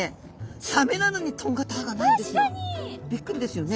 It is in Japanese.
びっくりですよね。